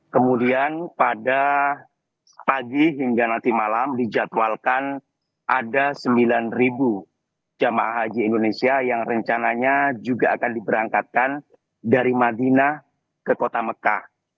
kemudian pada pagi hingga nanti malam dijadwalkan ada sembilan jemaah haji indonesia yang rencananya juga akan diberangkatkan dari madinah ke kota mekah